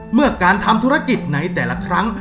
เมื่อการทำธุรกิจในแต่ละครั้ง